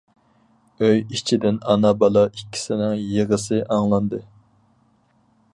ئۆي ئىچىدىن ئانا-بالا ئىككىسىنىڭ يىغىسى ئاڭلاندى.